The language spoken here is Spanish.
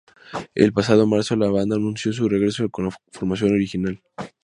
El pasado Marzo la banda anunció su regreso con la formación original.